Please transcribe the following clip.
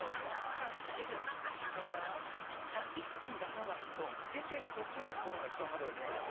だから一気に出さないと出てる途中で凍るのが一番まずいので。